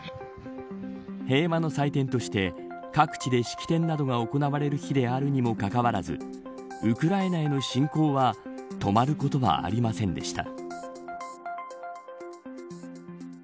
平和の祭典として各地で式典などが行われる日であるにもかかわらずウクライナへの侵攻は止まることはありませんでした。